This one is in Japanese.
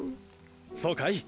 そうかい？